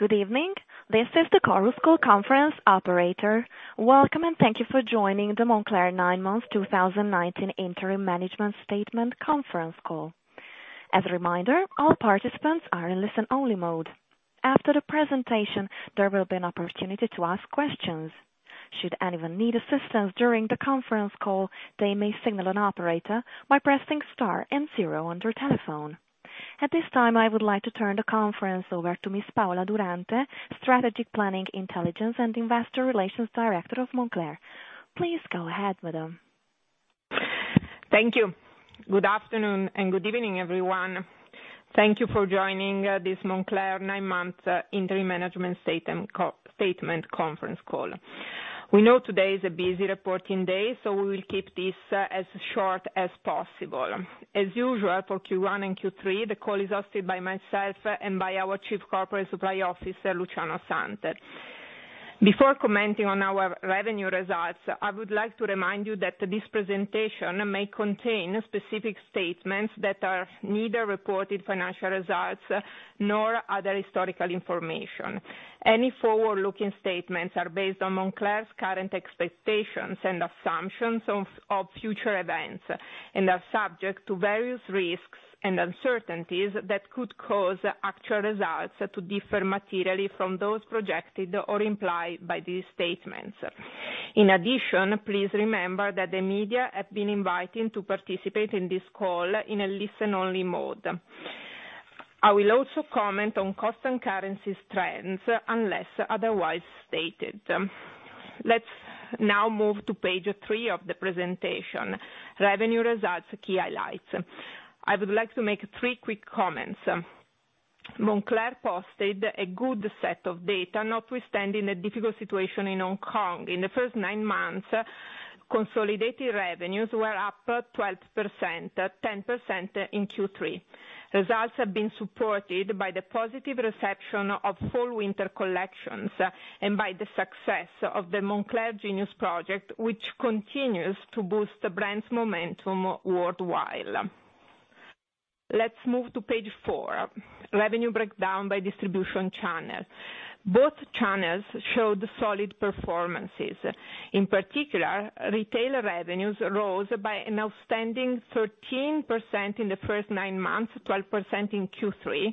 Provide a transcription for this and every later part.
Good evening. This is the Chorus Call Conference Operator. Welcome, and thank you for joining the Moncler nine months 2019 interim management statement conference call. As a reminder, all participants are in listen-only mode. After the presentation, there will be an opportunity to ask questions. Should anyone need assistance during the conference call, they may signal an operator by pressing star and zero on their telephone. At this time, I would like to turn the conference over to Ms. Paola Durante, Strategic Planning, Intelligence, and Investor Relations Director of Moncler. Please go ahead, madam. Thank you. Good afternoon and good evening, everyone. Thank you for joining this Moncler nine months interim management statement conference call. We know today is a busy reporting day, so we will keep this as short as possible. As usual, for Q1 and Q3, the call is hosted by myself and by our Chief Corporate Supply Officer, Luciano Santel. Before commenting on our revenue results, I would like to remind you that this presentation may contain specific statements that are neither reported financial results nor other historical information. Any forward-looking statements are based on Moncler's current expectations and assumptions of future events, and are subject to various risks and uncertainties that could cause actual results to differ materially from those projected or implied by these statements. Please remember that the media have been invited to participate in this call in a listen-only mode. I will also comment on cost and currency trends, unless otherwise stated. Let's now move to page three of the presentation, revenue results key highlights. I would like to make three quick comments. Moncler posted a good set of data, notwithstanding the difficult situation in Hong Kong. In the first nine months, consolidated revenues were up 12%, 10% in Q3. Results have been supported by the positive reception of fall-winter collections, and by the success of the Moncler Genius project, which continues to boost the brand's momentum worldwide. Let's move to page four, revenue breakdown by distribution channel. Both channels showed solid performances. In particular, retail revenues rose by an outstanding 13% in the first nine months, 12% in Q3,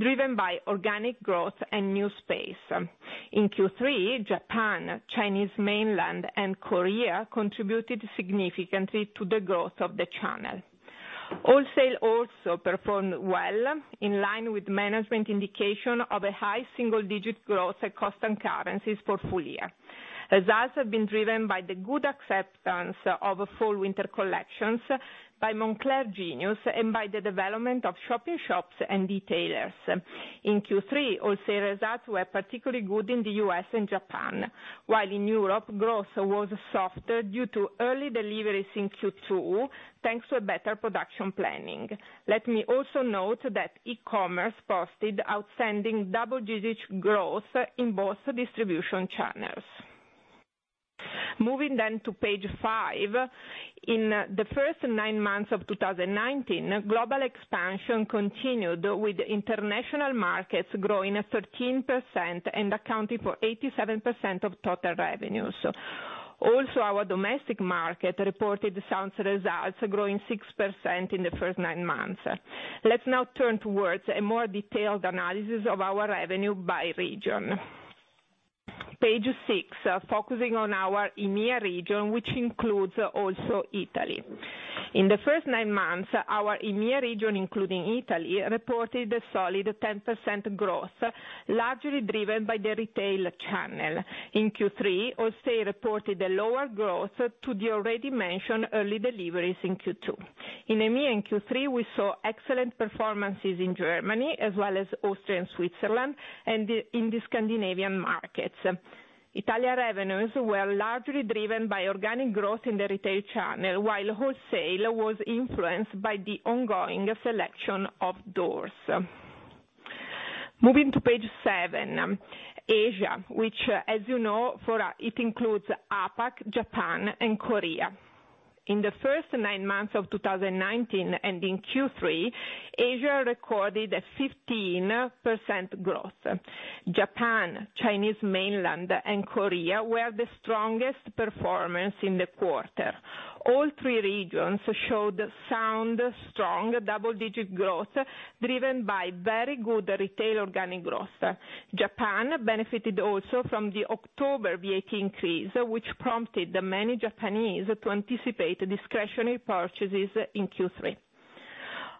driven by organic growth and new space. In Q3, Japan, Chinese mainland, and Korea contributed significantly to the growth of the channel. Wholesale also performed well, in line with management indication of a high single-digit growth at constant currencies for full year. Results have been driven by the good acceptance of fall-winter collections by Moncler Genius, and by the development of shopping shops and retailers. In Q3, wholesale results were particularly good in the U.S. and Japan, while in Europe, growth was softer due to early deliveries in Q2, thanks to a better production planning. Let me also note that e-commerce posted outstanding double-digit growth in both distribution channels. Moving to page five. In the first nine months of 2019, global expansion continued, with international markets growing 13% and accounting for 87% of total revenues. Also, our domestic market reported sound results, growing 6% in the first nine months. Let's now turn towards a more detailed analysis of our revenue by region. Page six, focusing on our EMEA region, which includes also Italy. In the first nine months, our EMEA region, including Italy, reported a solid 10% growth, largely driven by the retail channel. In Q3, wholesale reported a lower growth to the already mentioned early deliveries in Q2. In EMEA in Q3, we saw excellent performances in Germany as well as Austria and Switzerland, and in the Scandinavian markets. Italian revenues were largely driven by organic growth in the retail channel, while wholesale was influenced by the ongoing selection of doors. Moving to page seven, Asia, which as you know, it includes APAC, Japan, and Korea. In the first nine months of 2019 and in Q3, Asia recorded a 15% growth. Japan, Chinese mainland, and Korea were the strongest performance in the quarter. All three regions showed sound, strong, double-digit growth driven by very good retail organic growth. Japan benefited also from the October VAT increase, which prompted many Japanese to anticipate discretionary purchases in Q3.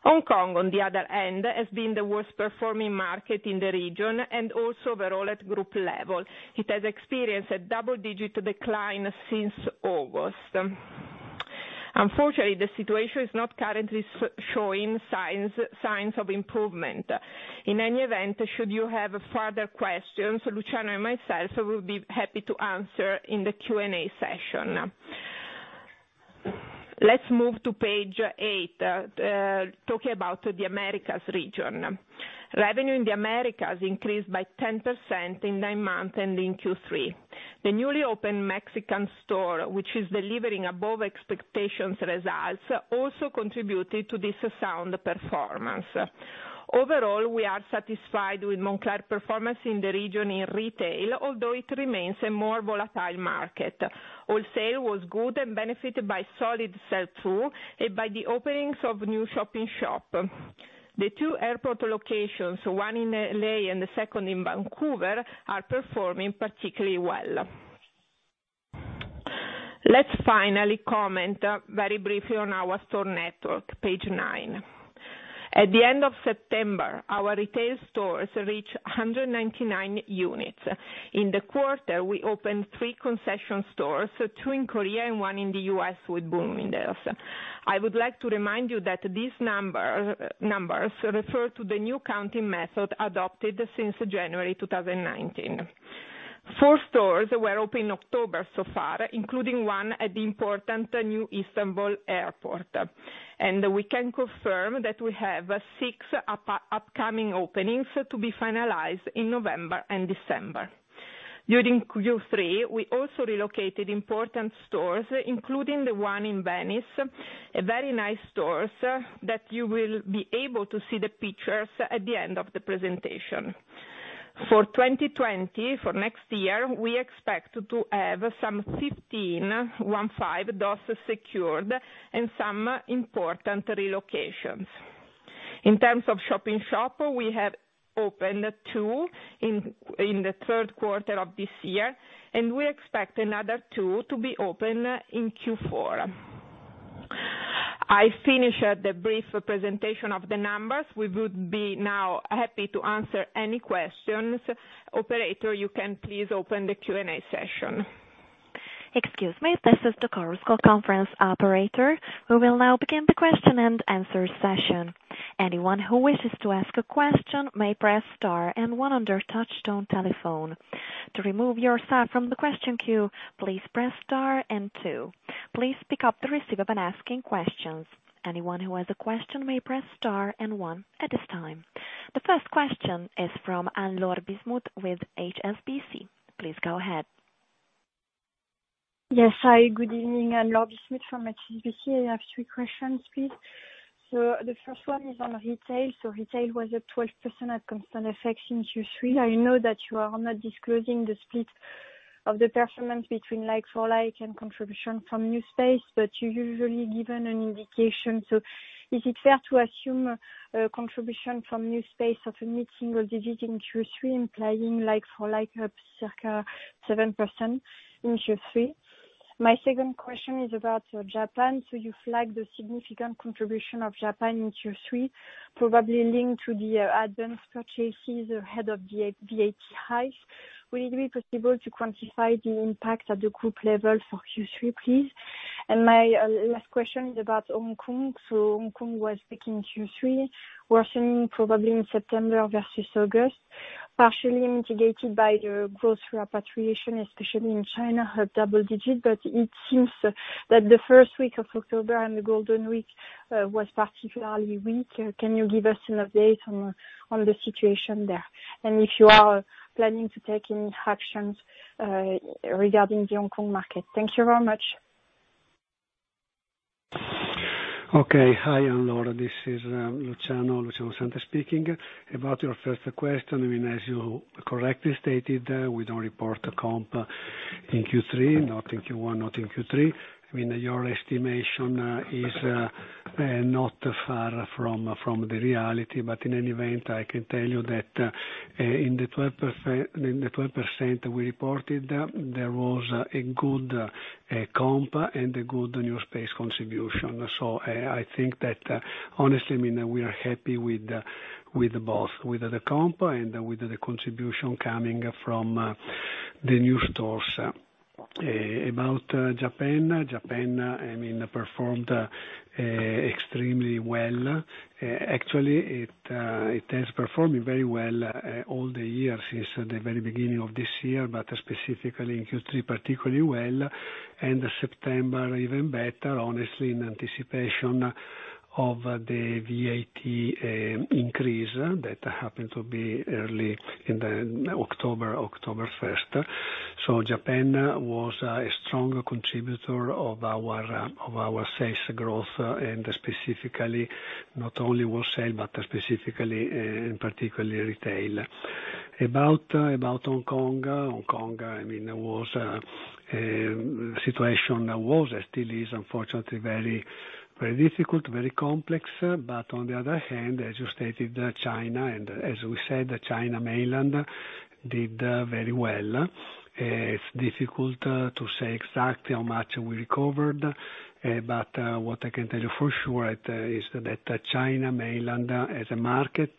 Hong Kong, on the other hand, has been the worst-performing market in the region and also overall at group level. It has experienced a double-digit decline since August. Unfortunately, the situation is not currently showing signs of improvement. In any event, should you have further questions, Luciano and myself will be happy to answer in the Q&A session. Let's move to page eight, talking about the Americas region. Revenue in the Americas increased by 10% in nine months and in Q3. The newly opened Mexican store, which is delivering above expectations results, also contributed to this sound performance. Overall, we are satisfied with Moncler performance in the region in retail, although it remains a more volatile market. Wholesale was good and benefited by solid sell-through and by the openings of new shop-in-shops. The two airport locations, one in L.A. and the second in Vancouver, are performing particularly well. Let's finally comment very briefly on our store network, page nine. At the end of September, our retail stores reached 199 units. In the quarter, we opened three concession stores, so two in Korea and one in the U.S. with Bloomingdale's. I would like to remind you that these numbers refer to the new counting method adopted since January 2019. Four stores were opened in October so far, including one at the important new Istanbul airport. We can confirm that we have six upcoming openings to be finalized in November and December. During Q3, we also relocated important stores, including the one in Venice, very nice stores that you will be able to see the pictures at the end of the presentation. For 2020, for next year, we expect to have some 15 doors secured and some important relocations. In terms of shop-in-shop, we have opened two in the third quarter of this year, and we expect another two to be opened in Q4. I finish the brief presentation of the numbers. We would be now happy to answer any questions. Operator, you can please open the Q&A session. Excuse me, this is the conference call operator. We will now begin the question-and-answer session. Anyone who wishes to ask a question may press star 1 on their touch-tone telephone. To remove yourself from the question queue, please press star 2. Please pick up the receiver when asking questions. Anyone who has a question may press star 1 at this time. The first question is from Anne-Laure Bismuth with HSBC. Please go ahead. Yes. Hi, good evening. Anne-Laure Bismuth from HSBC. I have three questions, please. The first one is on retail. Retail was at 12% at constant effect in Q3. I know that you are not disclosing the split of the performance between like-for-like and contribution from new space, but you usually give an indication. Is it fair to assume a contribution from new space of a mid-single digit in Q3, implying like-for-like circa 7% in Q3? My second question is about Japan. You flagged the significant contribution of Japan in Q3, probably linked to the advanced purchases ahead of VAT hikes. Will it be possible to quantify the impact at the group level for Q3, please? My last question is about Hong Kong. Hong Kong was weak in Q3, worsening probably in September versus August, partially mitigated by the growth repatriation, especially in China, a double digit. It seems that the first week of October and the Golden Week was particularly weak. Can you give us an update on the situation there? If you are planning to take any actions regarding the Hong Kong market. Thank you very much. Okay. Hi, Anne-Laure. This is Luciano Santel speaking. About your first question, as you correctly stated, we don't report the comp in Q3, not in Q1, not in Q3. Your estimation is not far from the reality, but in any event, I can tell you that in the 12% we reported, there was a good comp and a good new space contribution. I think that, honestly, we are happy with both, with the comp and with the contribution coming from the new stores. About Japan performed extremely well. Actually, it has performed very well all the year since the very beginning of this year, but specifically in Q3, particularly well, and September even better, honestly, in anticipation of the VAT increase that happened to be early in October 1st. Japan was a strong contributor of our sales growth and specifically not only wholesale, but specifically in particularly retail. About Hong Kong, the situation was and still is unfortunately very difficult, very complex. On the other hand, as you stated, China, and as we said, China Mainland did very well. It's difficult to say exactly how much we recovered, but what I can tell you for sure is that China Mainland as a market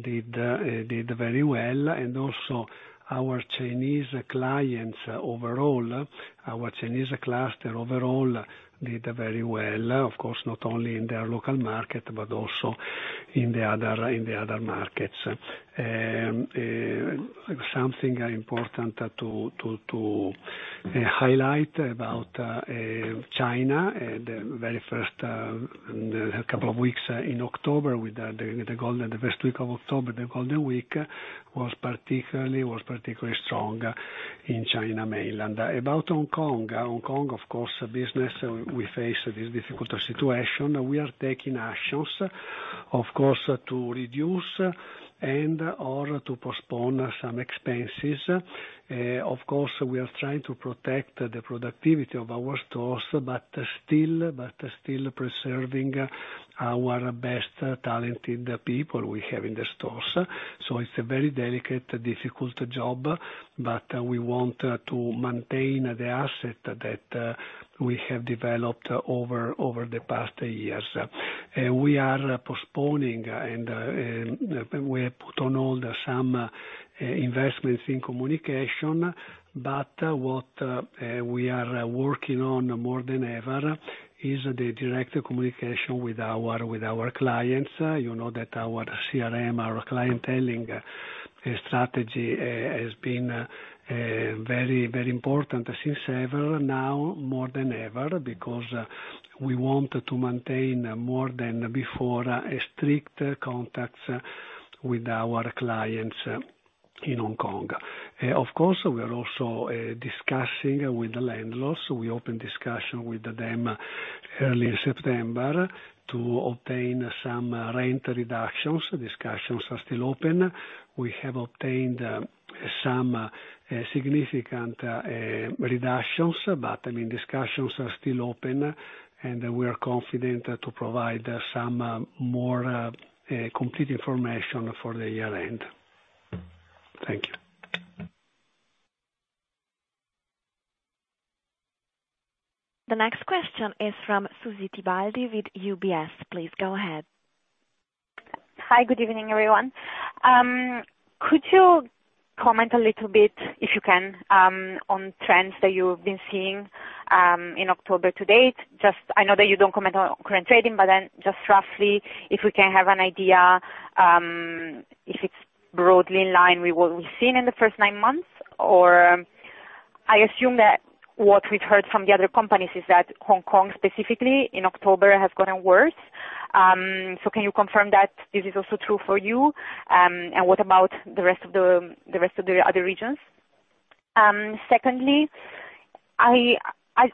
did very well, and also our Chinese clients overall, our Chinese cluster overall did very well. Of course, not only in their local market, but also in the other markets. Something important to Highlight about China and the very first couple of weeks in October, the first week of October, the Golden Week was particularly strong in mainland China. About Hong Kong. Hong Kong, of course, business, we face this difficult situation. We are taking actions, of course, to reduce and/or to postpone some expenses. Of course, we are trying to protect the productivity of our stores, but still preserving our best talented people we have in the stores. It's a very delicate, difficult job, but we want to maintain the asset that we have developed over the past years. We are postponing, and we have put on hold some investments in communication. What we are working on more than ever is the direct communication with our clients. You know that our CRM, our clienteling strategy has been very important since ever. Now, more than ever, because we want to maintain more than before, strict contacts with our clients in Hong Kong. Of course, we are also discussing with the landlords. We opened discussion with them early September to obtain some rent reductions. Discussions are still open. We have obtained some significant reductions. Discussions are still open, and we are confident to provide some more complete information for the year-end. Thank you. The next question is from Suzy Pusz with UBS. Please go ahead. Hi. Good evening, everyone. Could you comment a little bit, if you can, on trends that you've been seeing in October to date? I know that you don't comment on current trading, just roughly if we can have an idea, if it's broadly in line with what we've seen in the first nine months, or I assume that what we've heard from the other companies is that Hong Kong, specifically in October, has gotten worse. Can you confirm that this is also true for you? What about the rest of the other regions? Secondly, I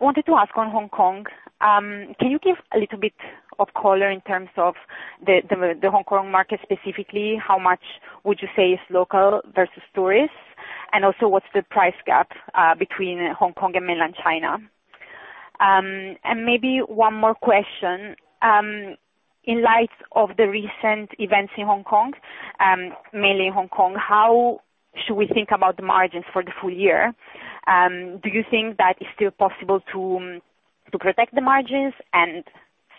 wanted to ask on Hong Kong, can you give a little bit of color in terms of the Hong Kong market specifically? How much would you say is local versus tourists? Also, what's the price gap between Hong Kong and mainland China? Maybe one more question. In light of the recent events in Hong Kong, mainly in Hong Kong, how should we think about the margins for the full year? Do you think that it's still possible to protect the margins?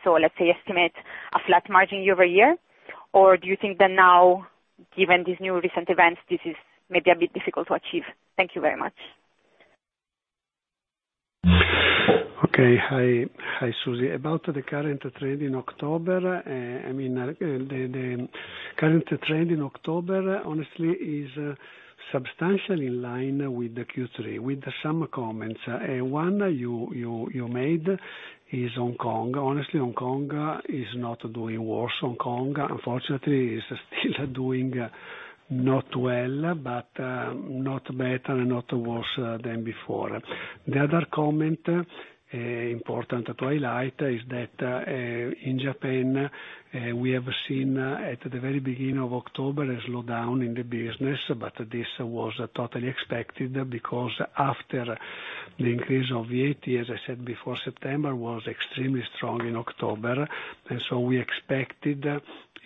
Let's say estimate a flat margin year-over-year? Or do you think that now, given these new recent events, this is maybe a bit difficult to achieve? Thank you very much. Okay. Hi, Suzy. About the current trend in October. The current trend in October, honestly, is substantially in line with the Q3, with some comments. One you made is Hong Kong. Honestly, Hong Kong is not doing worse. Hong Kong, unfortunately, is still doing not well, but not better, not worse than before. The other comment, important to highlight, is that in Japan, we have seen at the very beginning of October, a slowdown in the business, but this was totally expected because after the increase of 80, as I said before, September was extremely strong in October, and so we expected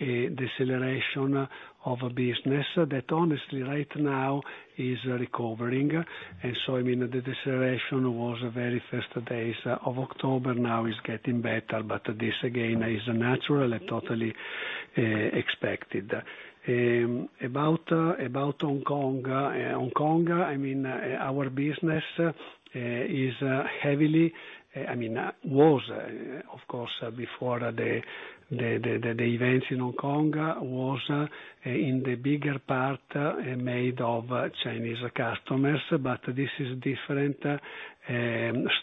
a deceleration of business that honestly right now is recovering. The deceleration was very first days of October. Now it's getting better. This again, is natural and totally expected. About Hong Kong. Hong Kong, our business was, of course, before the events in Hong Kong, was in the bigger part, made of Chinese customers, but this is different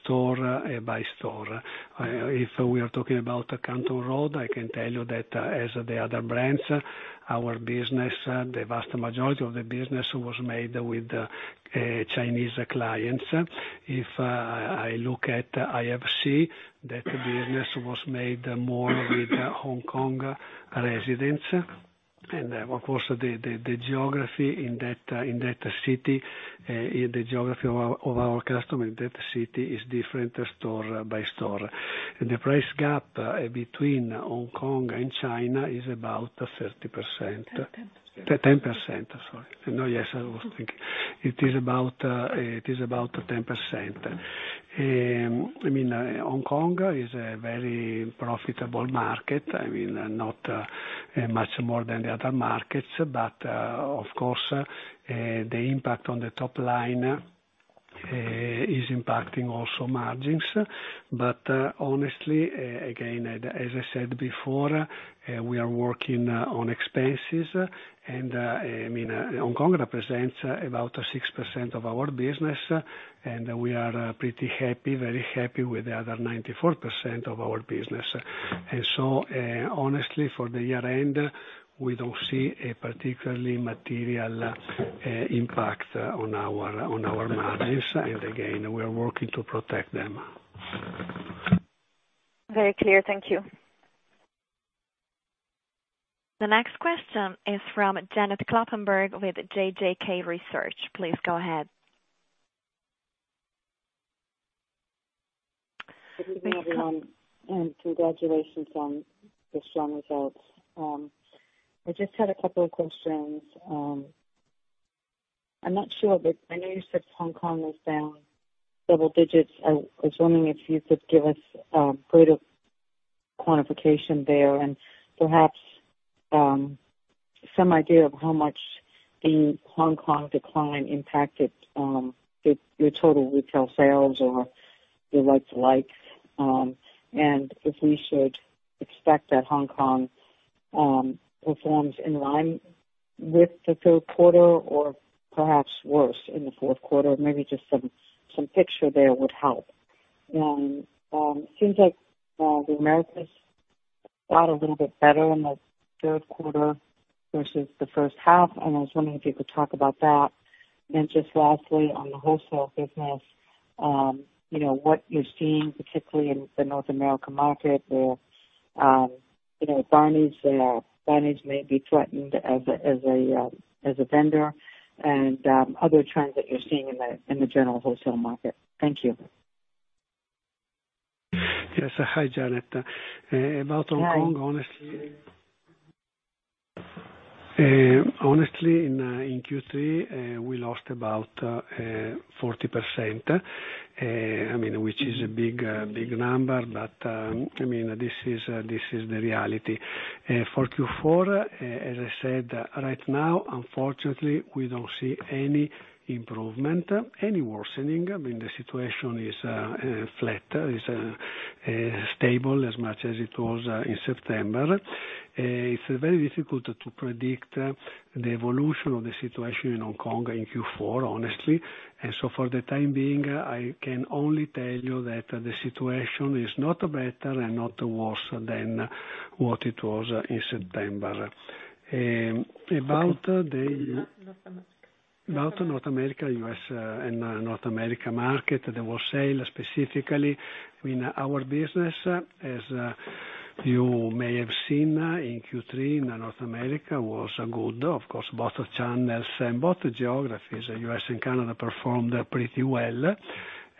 store by store. If we are talking about Canton Road, I can tell you that as the other brands, our business, the vast majority of the business was made with Chinese clients. If I look at IFC, that business was made more with Hong Kong residents. Of course, the geography of our customer in that city is different store by store. The price gap between Hong Kong and China is about 30%. 10%. 10%. Sorry. Yes, I was thinking. It is about 10%. Hong Kong is a very profitable market. Not much more than the other markets, of course, the impact on the top line is impacting also margins. Honestly, again, as I said before, we are working on expenses and Hong Kong represents about 6% of our business, and we are pretty happy, very happy with the other 94% of our business. Honestly, for the year-end, we don't see a particularly material impact on our margins. Again, we are working to protect them. Very clear. Thank you. The next question is from Janet Kloppenburg with JJK Research. Please go ahead. Good evening, everyone, and congratulations on the strong results. I just had a couple of questions. I'm not sure, but I know you said Hong Kong was down double digits. I was wondering if you could give us a bit of quantification there and perhaps some idea of how much the Hong Kong decline impacted your total retail sales or your like-for-like. If we should expect that Hong Kong performs in line with the third quarter or perhaps worse in the fourth quarter, maybe just some picture there would help. It seems like the Americas got a little bit better in the third quarter versus the first half. I was wondering if you could talk about that. Just lastly, on the wholesale business, what you're seeing, particularly in the North America market, where Barneys may be threatened as a vendor, and other trends that you're seeing in the general wholesale market. Thank you. Yes. Hi, Janet. Hi. About Hong Kong, honestly, in Q3, we lost about 40%, which is a big number. This is the reality. For Q4, as I said, right now, unfortunately, we don't see any improvement, any worsening. The situation is flat. It's as stable as much as it was in September. It's very difficult to predict the evolution of the situation in Hong Kong in Q4, honestly. For the time being, I can only tell you that the situation is not better and not worse than what it was in September. North America. About North America, U.S. and North America market, the wholesale specifically, our business, as you may have seen in Q3, North America was good. Of course, both channels and both geographies, U.S. and Canada performed pretty well.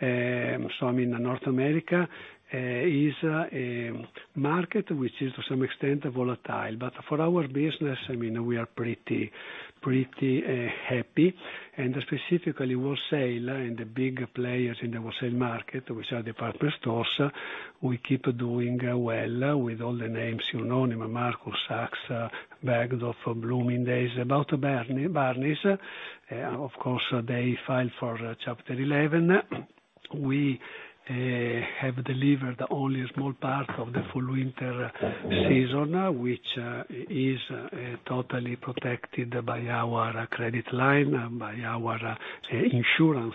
North America is a market which is to some extent volatile. For our business, we are pretty happy. Specifically, wholesale and the big players in the wholesale market, which are department stores, we keep doing well with all the names you know, Neiman Marcus, Saks, Bergdorf, Bloomingdale's. About Barneys, of course, they filed for Chapter 11. We have delivered only a small part of the full winter season, which is totally protected by our credit line, by our insurance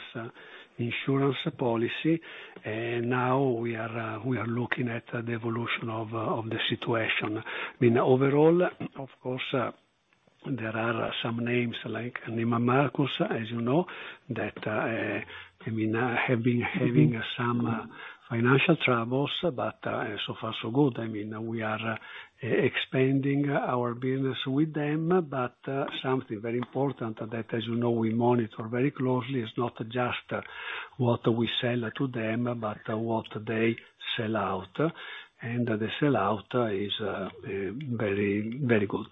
policy. Now we are looking at the evolution of the situation. Overall, of course, there are some names like Neiman Marcus, as you know, that have been having some financial troubles, but so far so good. We are expanding our business with them, but something very important that, as you know, we monitor very closely, is not just what we sell to them, but what they sell out. The sellout is very good.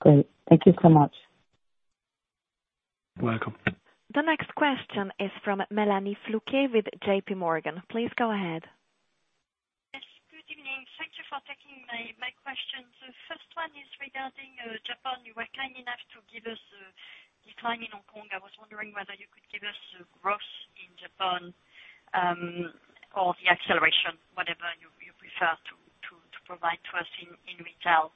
Great. Thank you so much. Welcome. The next question is from Mélanie Flouquet with JPMorgan. Please go ahead. Yes. Good evening. Thank you for taking my questions. The first one is regarding Japan. You were kind enough to give us a decline in Hong Kong. I was wondering whether you could give us the growth in Japan, or the acceleration, whatever you prefer to provide to us in retail.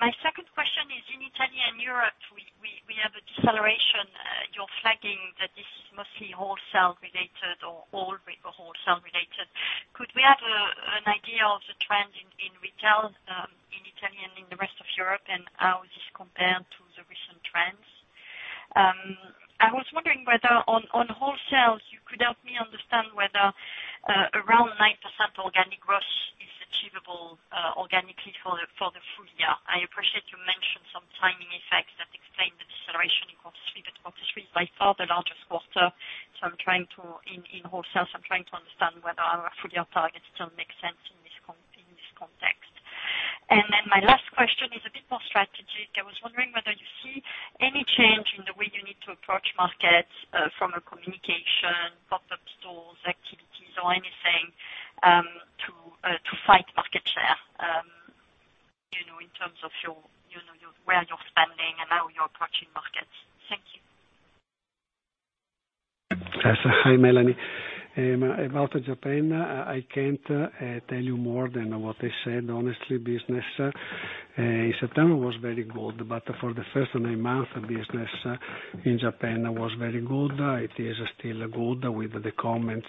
My second question is in Italy and Europe, we have a deceleration. You're flagging that this is mostly wholesale related or all wholesale related. Could we have an idea of the trend in retail, in Italy and in the rest of Europe, and how this compares to the recent trends? I was wondering whether on wholesale, you could help me understand whether around 9% organic growth is achievable organically for the full year. I appreciate you mentioned some timing effects that explain the deceleration in quarter three, but quarter three is by far the largest quarter in wholesale, so I'm trying to understand whether our full-year targets still make sense in this context. My last question is a bit more strategic. I was wondering whether you see any change in the way you need to approach markets, from a communication, pop-up stores, activities, or anything, to fight competition, and your where you're standing and how you're approaching markets. Thank you. Yes. Hi, Mélanie. About Japan, I can't tell you more than what I said, honestly. For the first nine months, business in Japan was very good. It is still good with the comments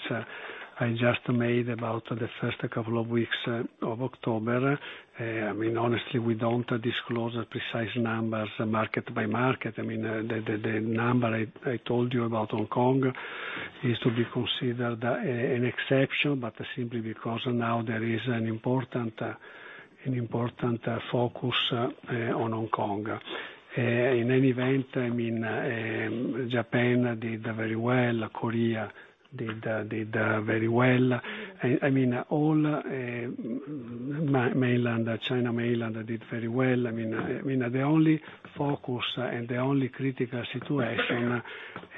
I just made about the first couple of weeks of October. Honestly, we don't disclose the precise numbers market by market. The number I told you about Hong Kong is to be considered an exception, but simply because now there is an important focus on Hong Kong. In any event, Japan did very well. Korea did very well. China Mainland did very well. The only focus and the only critical situation, as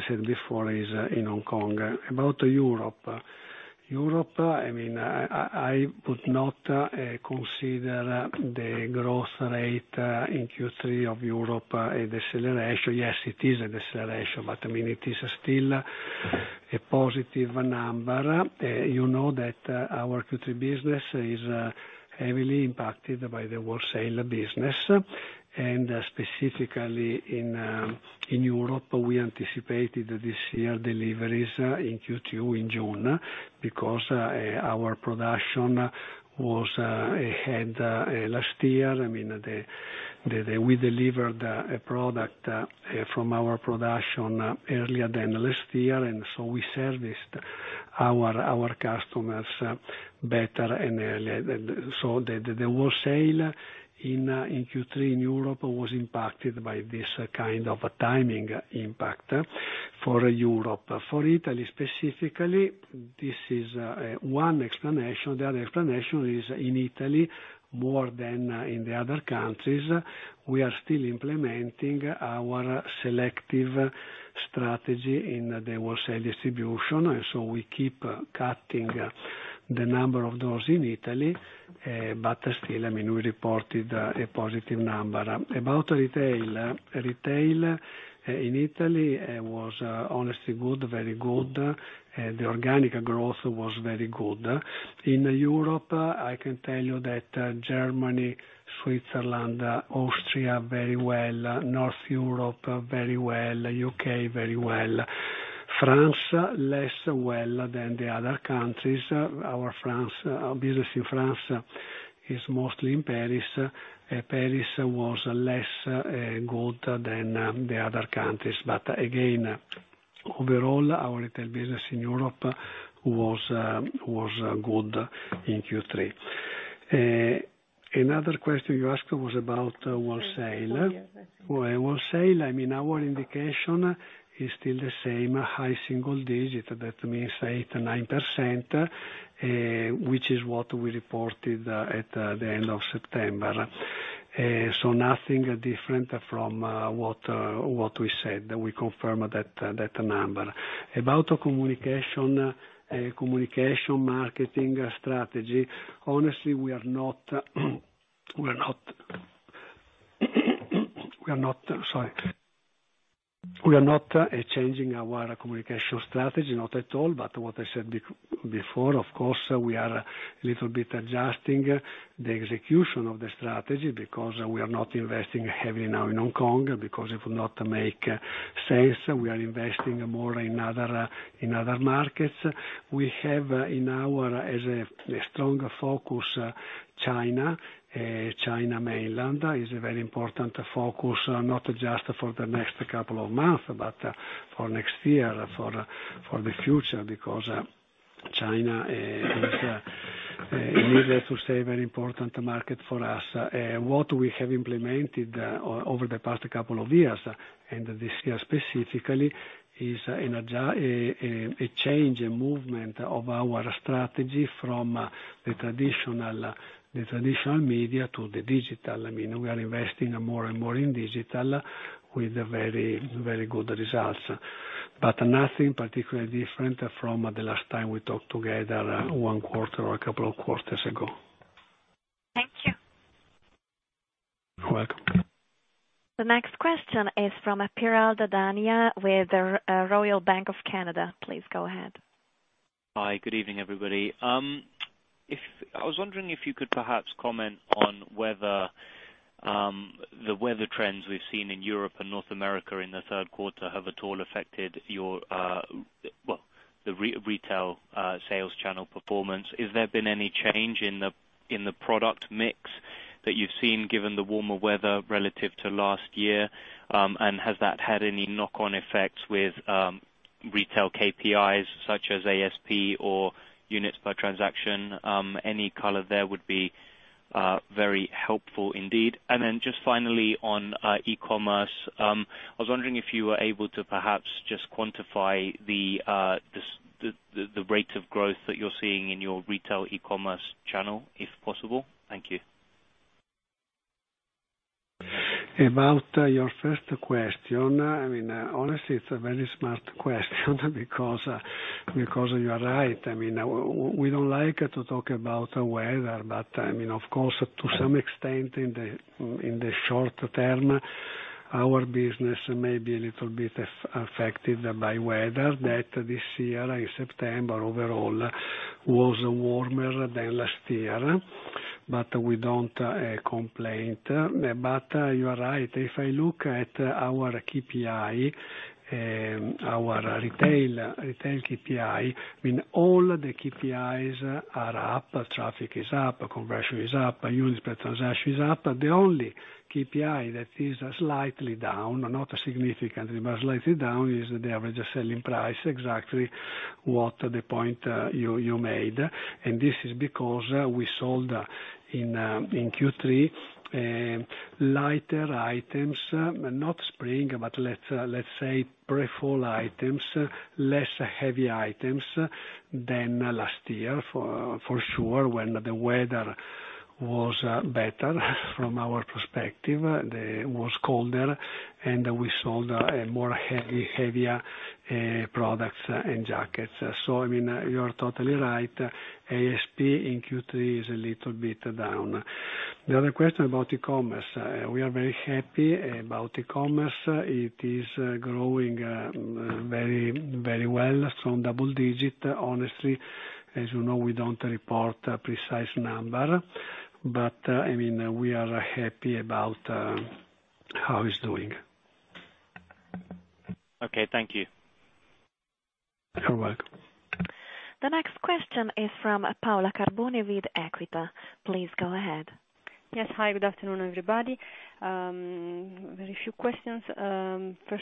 I said before, is in Hong Kong. About Europe. Europe, I would not consider the growth rate in Q3 of Europe a deceleration. Yes, it is a deceleration, but it is still a positive number. You know that our Q3 business is heavily impacted by the wholesale business, and specifically in Europe, we anticipated this year deliveries in Q2, in June, because our production was ahead last year. We delivered a product from our production earlier than last year, and so we serviced our customers better and earlier. The wholesale in Q3 in Europe was impacted by this kind of timing impact for Europe. For Italy specifically, this is one explanation. The other explanation is in Italy, more than in the other countries, we are still implementing our selective strategy in the wholesale distribution. We keep cutting the number of those in Italy. Still, we reported a positive number. About retail in Italy was honestly good, very good. The organic growth was very good. In Europe, I can tell you that Germany, Switzerland, Austria, very well. North Europe, very well. U.K., very well. France, less well than the other countries. Our business in France is mostly in Paris. Paris was less good than the other countries. Again, overall, our retail business in Europe was good in Q3. Another question you asked was about wholesale. Wholesale, our indication is still the same, high single digit. That means 8% to 9%, which is what we reported at the end of September. Nothing different from what we said. We confirm that number. About communication marketing strategy. Honestly, we are not sorry. We are not changing our communication strategy. Not at all. What I said before, of course, we are a little bit adjusting the execution of the strategy because we are not investing heavily now in Hong Kong because it would not make sense. We are investing more in other markets. We have as a strong focus China. China Mainland is a very important focus, not just for the next couple of months, but for next year, for the future, because China is, needless to say, a very important market for us. What we have implemented over the past couple of years, and this year specifically, is a change, a movement of our strategy from the traditional media to the digital. We are investing more and more in digital with very good results. Nothing particularly different from the last time we talked together one quarter or a couple of quarters ago. Thank you. You're welcome. The next question is from Piral Dadhania with Royal Bank of Canada. Please go ahead. Hi. Good evening, everybody. I was wondering if you could perhaps comment on whether the weather trends we've seen in Europe and North America in the third quarter have at all affected the retail sales channel performance. Has there been any change in the product mix that you've seen given the warmer weather relative to last year? Has that had any knock-on effects with retail KPIs such as ASP or units per transaction? Any color there would be very helpful indeed. Just finally on e-commerce, I was wondering if you were able to perhaps just quantify the rate of growth that you're seeing in your retail e-commerce channel, if possible. Thank you. About your first question. Honestly, it's a very smart question because you are right. We don't like to talk about weather, of course, to some extent in the short term, our business may be a little bit affected by weather that this year, in September overall, was warmer than last year. We don't complain. You are right. If I look at our retail KPI, all the KPIs are up. Traffic is up, conversion is up, units per transaction is up. The only KPI that is slightly down, not significantly but slightly down, is the average selling price, exactly what the point you made. This is because we sold in Q3 lighter items. Not spring, but let's say pre-fall items, less heavy items than last year for sure, when the weather was better from our perspective, it was colder, and we sold more heavier products and jackets. You are totally right. ASP in Q3 is a little bit down. The other question about e-commerce. We are very happy about e-commerce. It is growing very well from double digit. Honestly, as you know, we don't report a precise number, but we are happy about how it's doing. Okay. Thank you. You're welcome. The next question is from Paola Carboni with Equita. Please go ahead. Yes. Hi, good afternoon, everybody. Very few questions. If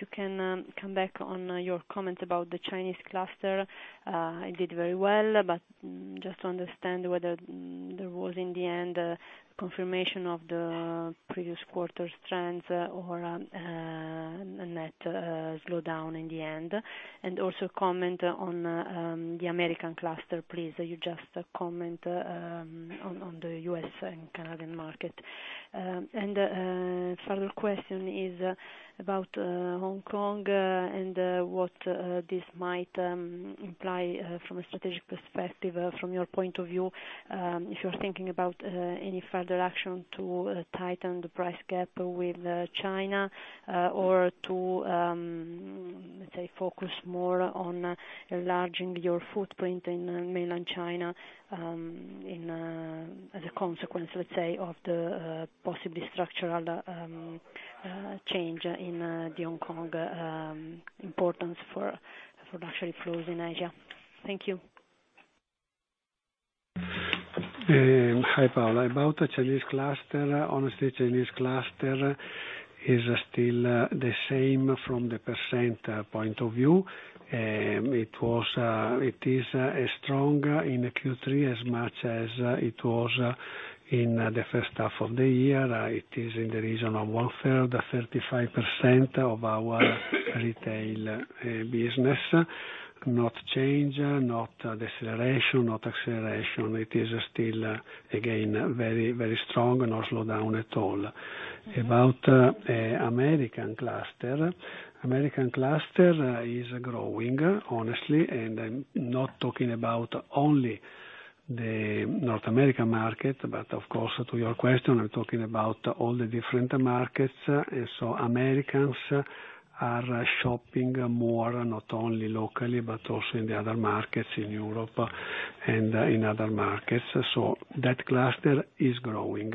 you can come back on your comments about the Chinese cluster. It did very well, but just to understand whether there was, in the end, confirmation of the previous quarter's trends or a net slowdown in the end. Also comment on the American cluster, please. You just comment on the U.S. and Canadian market. Further question is about Hong Kong and what this might imply from a strategic perspective, from your point of view, if you're thinking about any further action to tighten the price gap with China or to, let's say, focus more on enlarging your footprint in mainland China as a consequence, let's say, of the possibly structural change in the Hong Kong importance for production flows in Asia. Thank you. Hi, Paola. About the Chinese cluster, honestly, Chinese cluster is still the same from the % point of view. It is as strong in Q3 as much as it was in the first half of the year. It is in the region of one-third, 35% of our retail business. Not change, not deceleration, not acceleration. It is still, again, very strong. No slowdown at all. About American cluster. American cluster is growing, honestly, and I'm not talking about only the North American market, but of course, to your question, I'm talking about all the different markets. Americans are shopping more, not only locally but also in the other markets in Europe and in other markets. That cluster is growing.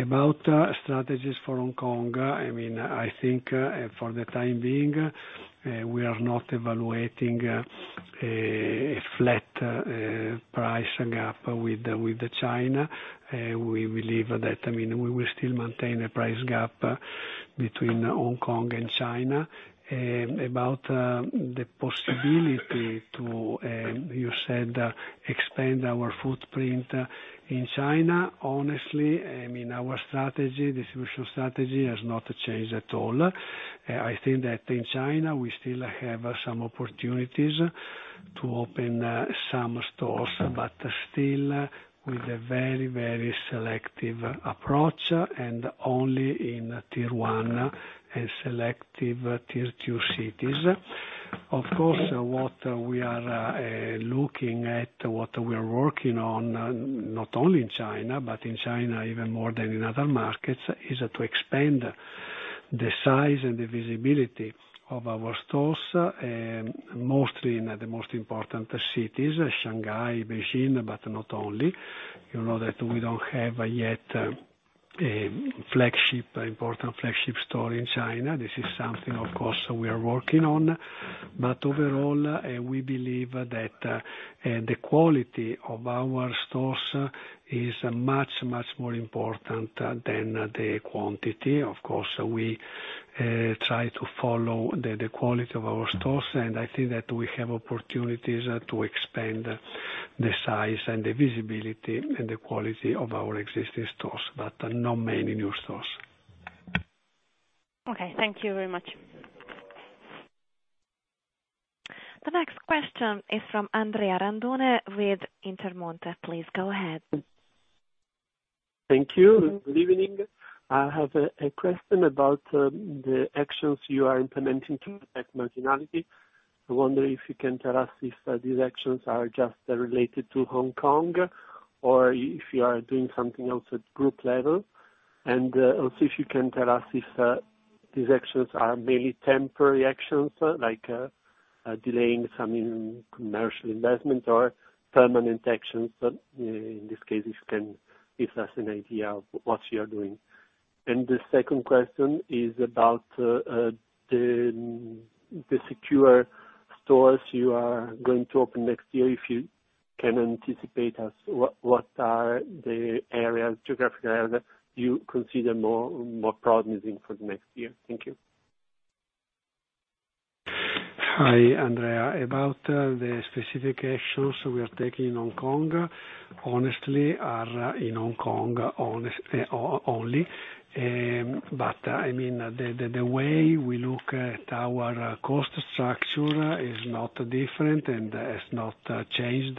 About strategies for Hong Kong. I think for the time being, we are not evaluating a flat price gap with China. We believe that we will still maintain a price gap between Hong Kong and China. About the possibility to, you said, expand our footprint in China. Honestly, our distribution strategy has not changed at all. I think that in China, we still have some opportunities to open some stores, but still with a very selective approach and only in Tier 1 and selective Tier 2 cities. Of course, what we are looking at, what we are working on, not only in China, but in China even more than in other markets, is to expand the size and the visibility of our stores, mostly in the most important cities, Shanghai, Beijing, but not only. You know that we don't have yet an important flagship store in China. This is something, of course, we are working on. Overall, we believe that the quality of our stores is much more important than the quantity. Of course, we try to follow the quality of our stores, and I think that we have opportunities to expand the size and the visibility and the quality of our existing stores, but not many new stores. Okay. Thank you very much. The next question is from Andrea Randone with Intermonte. Please go ahead. Thank you. Good evening. I have a question about the actions you are implementing to attack marginality. I wonder if you can tell us if these actions are just related to Hong Kong, or if you are doing something else at group level. If you can tell us if these actions are mainly temporary actions, like delaying some commercial investments or permanent actions, in this case, if you can give us an idea of what you are doing. The second question is about the secure stores you are going to open next year. If you can anticipate us, what are the geographic areas you consider more promising for the next year? Thank you. Hi, Andrea. About the specific actions we are taking in Hong Kong, honestly, are in Hong Kong only. The way we look at our cost structure is not different and has not changed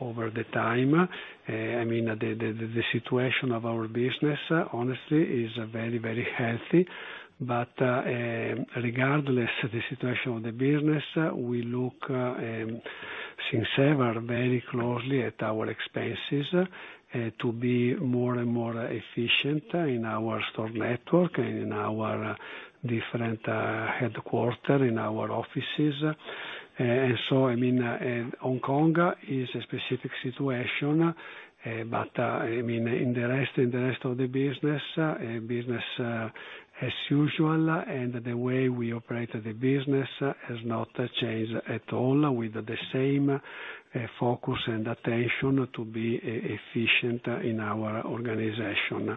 over the time. The situation of our business honestly is very healthy. Regardless of the situation of the business, we look, since ever, very closely at our expenses to be more and more efficient in our store network and in our different headquarter, in our offices. Hong Kong is a specific situation, but in the rest of the business as usual, and the way we operate the business has not changed at all, with the same focus and attention to be efficient in our organization.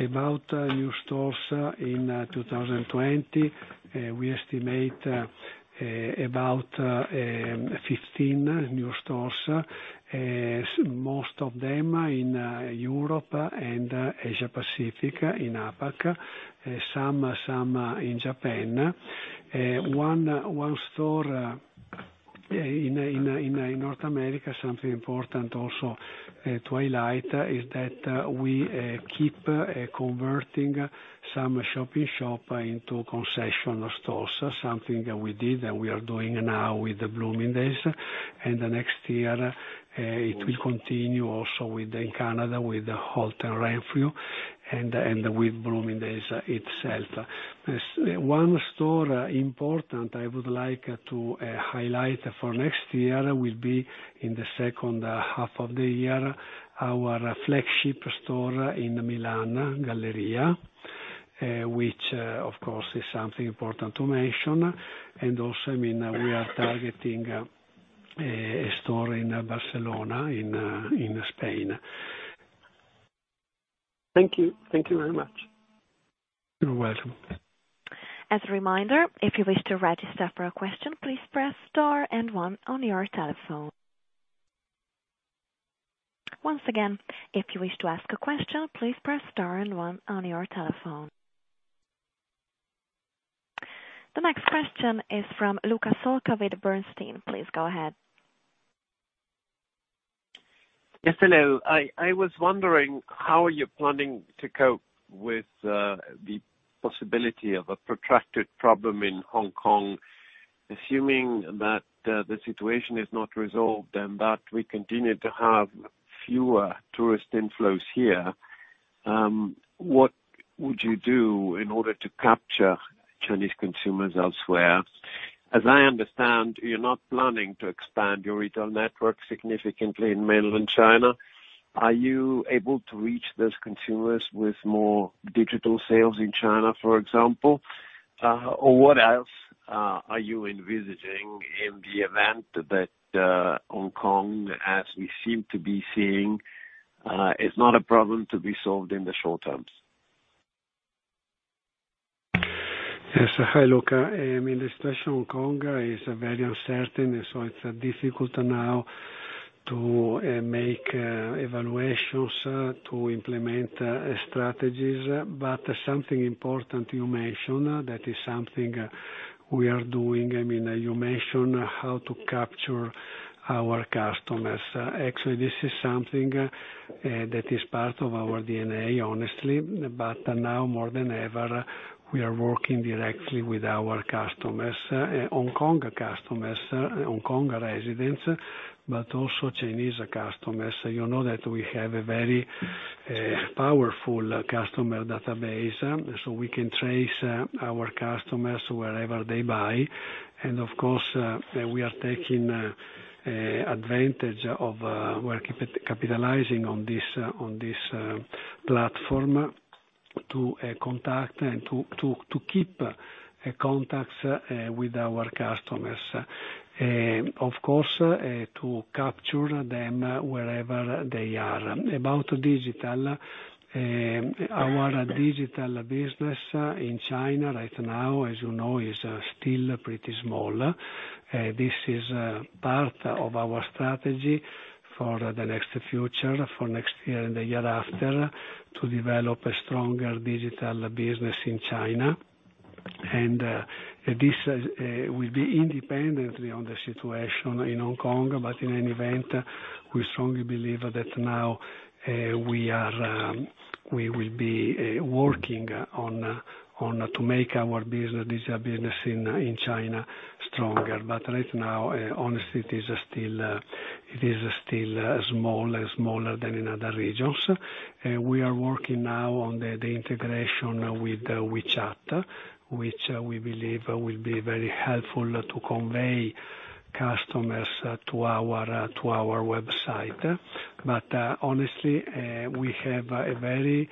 About new stores in 2020, we estimate about 15 new stores, most of them in Europe and Asia Pacific, in APAC, some in Japan. One store in North America. Something important also to highlight is that we keep converting some shop-in-shop into concession stores. Something that we did, that we are doing now with Bloomingdale's, and the next year, it will continue also within Canada, with the Holt Renfrew and with Bloomingdale's itself. One store important I would like to highlight for next year will be, in the second half of the year, our flagship store in Milan Galleria, which, of course, is something important to mention. Also, we are targeting a store in Barcelona, in Spain. Thank you. Thank you very much. You're welcome. As a reminder, if you wish to register for a question, please press star and one on your telephone. Once again, if you wish to ask a question, please press star and one on your telephone. The next question is from Luca Solca with Bernstein. Please go ahead. Yes. Hello. I was wondering how you're planning to cope with the possibility of a protracted problem in Hong Kong. Assuming that the situation is not resolved and that we continue to have fewer tourist inflows here, what would you do in order to capture Chinese consumers elsewhere? As I understand, you're not planning to expand your retail network significantly in mainland China. Are you able to reach those consumers with more digital sales in China, for example? What else are you envisaging in the event that Hong Kong, as we seem to be seeing, is not a problem to be solved in the short terms? Yes. Hi, Luca. The situation in Hong Kong is very uncertain. It's difficult now to make evaluations to implement strategies. Something important you mention, that is something we are doing. You mention how to capture our customers. Actually, this is something that is part of our DNA, honestly. Now more than ever, we are working directly with our customers, Hong Kong customers, Hong Kong residents, but also Chinese customers. You know that we have a very powerful customer database. We can trace our customers wherever they buy. Of course, we're capitalizing on this platform to keep contacts with our customers. Of course, to capture them wherever they are. About digital, our digital business in China right now, as you know, is still pretty small. This is part of our strategy. For the next future, for next year and the year after, to develop a stronger digital business in China. This will be independently on the situation in Hong Kong. In any event, we strongly believe that now we will be working to make our digital business in China stronger. Right now, honestly, it is still smaller than in other regions. We are working now on the integration with WeChat, which we believe will be very helpful to convey customers to our website. Honestly, we have a very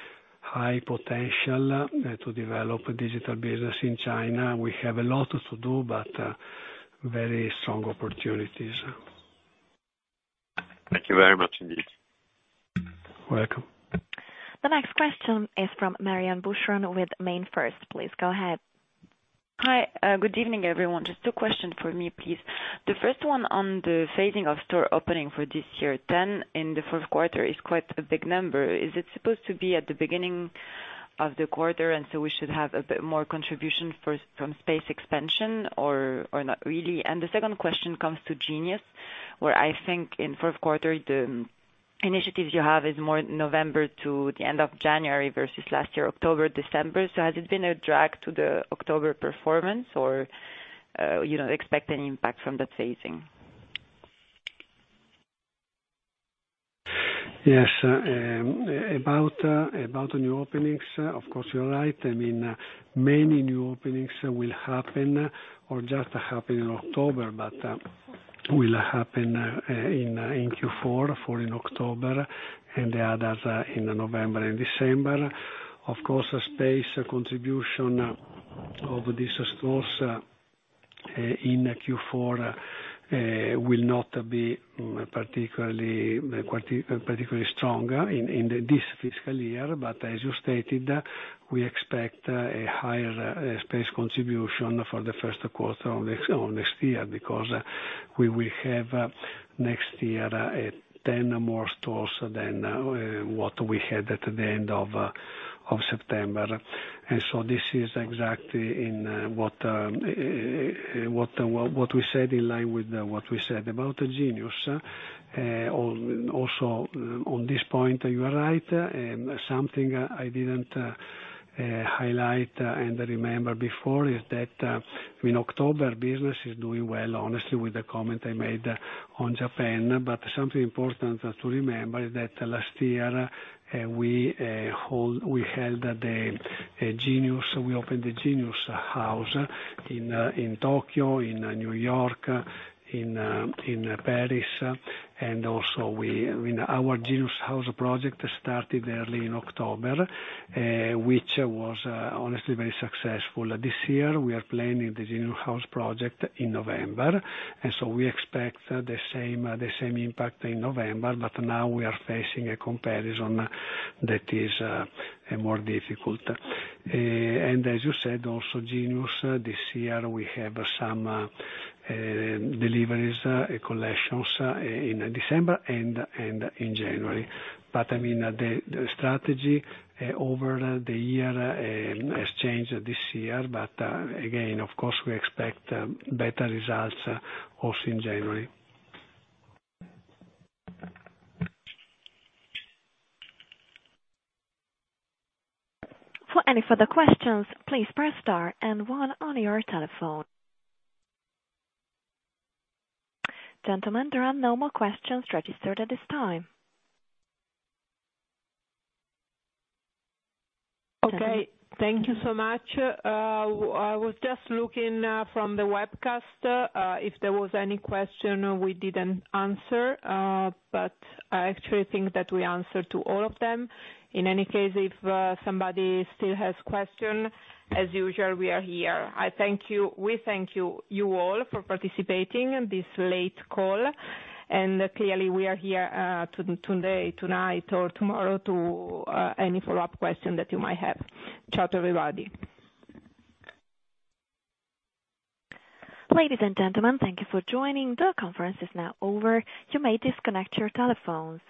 high potential to develop digital business in China. We have a lot to do, but very strong opportunities. Thank you very much indeed. Welcome. The next question is from Marion Boucheron with MainFirst. Please go ahead. Hi. Good evening, everyone. Just two questions from me, please. The first one on the phasing of store opening for this year. 10 in the fourth quarter is quite a big number. Is it supposed to be at the beginning of the quarter, we should have a bit more contribution first from space expansion or not really? The second question comes to Genius, where I think in fourth quarter, the initiatives you have is more November to the end of January versus last year, October, December. Has it been a drag to the October performance or expect any impact from that phasing? Yes. About the new openings, of course, you are right. Many new openings will happen or just happened in October, but will happen in Q4, four in October and the others in November and December. Of course, space contribution of these stores in Q4 will not be particularly strong in this fiscal year. As you stated, we expect a higher space contribution for the first quarter of next year because we will have next year 10 more stores than what we had at the end of September. This is exactly what we said, in line with what we said about Genius. Also, on this point, you are right. Something I did not highlight and remember before is that in October, business is doing well, honestly, with the comment I made on Japan. Something important to remember is that last year, we opened the Genius House in Tokyo, in New York, in Paris. Also our House of Genius project started early in October, which was honestly very successful. This year we are planning the House of Genius project in November, so we expect the same impact in November. Now we are facing a comparison that is more difficult. As you said, also Moncler Genius, this year we have some deliveries, collections in December and in January. The strategy over the year has changed this year. Again, of course, we expect better results also in January. For any further questions, please press star and one on your telephone. Gentlemen, there are no more questions registered at this time. Okay. Thank you so much. I was just looking from the webcast if there was any question we didn't answer. I actually think that we answered to all of them. In any case, if somebody still has question, as usual, we are here. We thank you all for participating in this late call. Clearly we are here today, tonight or tomorrow to any follow-up question that you might have. Ciao, everybody. Ladies and gentlemen, thank you for joining. The conference is now over. You may disconnect your telephones.